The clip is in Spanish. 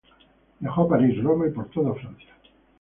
Viajó a París, Roma y por toda Francia.